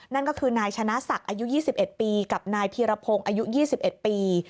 นั่นก็คือนายชนะศักดิ์อายุ๒๑ปีกับนายพีรพงศ์อายุ๒๑ปี